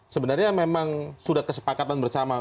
sebenarnya memang sudah kesepakatan bersama